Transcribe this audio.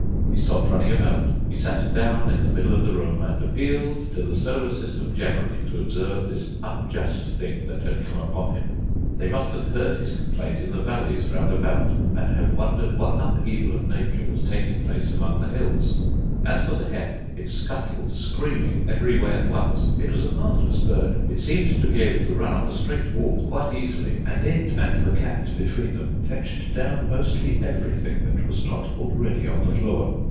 He stopped running about; he sat down in the middle of the room, and appealed to the solar system generally to observe this unjust thing that had come upon him. They must have heard his complaint in the valleys round about, and have wondered what upheaval of nature was taking place among the hills. As for the hen it scuttled, screaming, every way at once. It was a marvellous bird: it seemed to be able to run up a straight wall quite easily; and it and the cat between them fetched down mostly everything that was not already on the floor.